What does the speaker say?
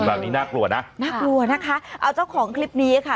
แบบนี้น่ากลัวนะน่ากลัวนะคะเอาเจ้าของคลิปนี้ค่ะ